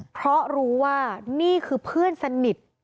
เพราะรู้ว่านี่คือเพื่อนสนิท